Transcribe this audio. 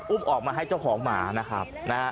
อุ้มออกมาให้เจ้าของหมานะครับ